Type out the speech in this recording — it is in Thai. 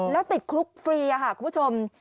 แล้วติดคุกฟรีค่ะคุณผู้ชม